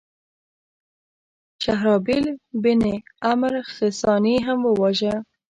شهرابیل بن عمرو غساني هغه وواژه.